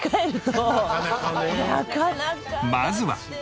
まずは。